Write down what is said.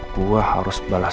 gue harus balas